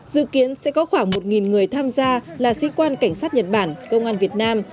dự kiến sẽ có khoảng một người tham gia là sĩ quan cảnh sát nhật bản công an việt nam